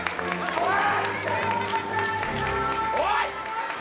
おい！